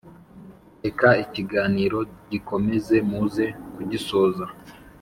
reka ikiganiro gikomeze muze kugisoza